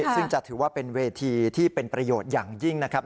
ซึ่งจะถือว่าเป็นเวทีที่เป็นประโยชน์อย่างยิ่งนะครับ